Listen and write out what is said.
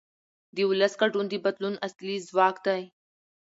د ولس ګډون د بدلون اصلي ځواک دی